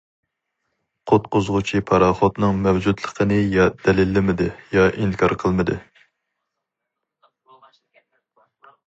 قۇتقۇزغۇچى پاراخوتنىڭ مەۋجۇتلۇقىنى« يا دەلىللىمىدى، يا ئىنكار قىلمىدى».